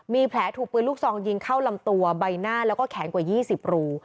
มีแผลถูกปืนลูกซองยิงเข้าลำตัวใบหน้าแล้วก็แขนกว่า๒๐รู